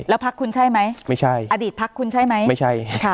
แล้วพักคุณใช่ไหมไม่ใช่อดีตพักคุณใช่ไหมไม่ใช่ค่ะ